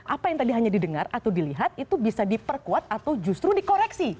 apa yang tadi hanya didengar atau dilihat itu bisa diperkuat atau justru dikoreksi